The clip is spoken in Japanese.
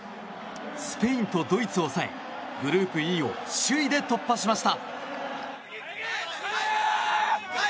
スペインとドイツを抑えグループＥを首位で突破しました。